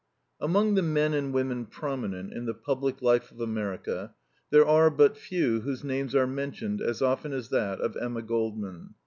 Among the men and women prominent in the public life of America there are but few whose names are mentioned as often as that of Emma Goldman.